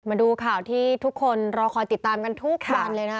มาดูข่าวที่ทุกคนรอคอยติดตามกันทุกวันเลยนะ